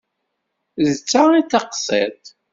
D ta i d taqṣit.